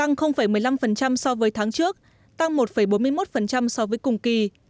tăng một mươi năm so với tháng trước tăng một bốn mươi một so với cùng kỳ